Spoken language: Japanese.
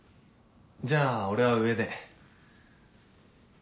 じゃあ俺は上で。